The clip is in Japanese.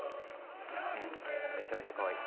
うんめちゃめちゃかわいい。